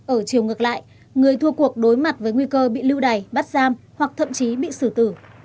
ở chiều ngược lại người thua cuộc đối mặt với nguy cơ bị lưu đầy bắt giam hoặc thậm chí bị xử tử